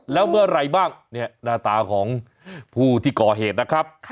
แล้วเมื่อไหร่บ้างเนี่ยหน้าตาของผู้ที่ก่อเหตุนะครับ